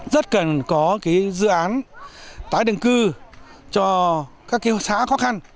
rất cần có dự án tái định cư cho các xã khó khăn